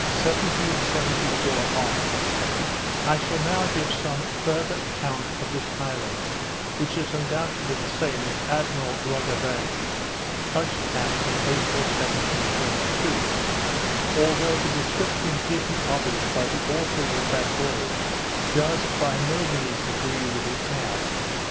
_ 1774 March I shall now give some farther account of this island, which is undoubtedly the same that Admiral Roggewein touched at in April 1722; although the description given of it by the authors of that voyage does by no means agree with it now.